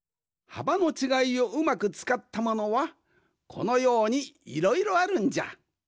はばのちがいをうまくつかったものはこのようにいろいろあるんじゃ。